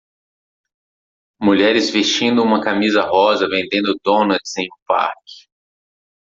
mulheres vestindo uma camisa rosa vendendo donuts em um parque.